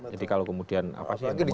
jadi kalau kemudian apa sih yang kemudian